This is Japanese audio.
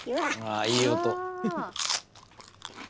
あいい音。